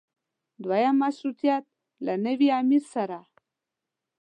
دویم مشروطیت له نوي امیر سره.